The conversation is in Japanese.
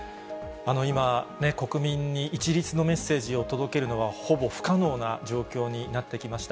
今、国民に一律のメッセージを届けるのは、ほぼ不可能な状況になってきました。